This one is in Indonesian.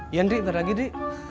iya nri ntar lagi nri